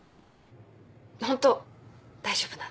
ホント大丈夫なんで。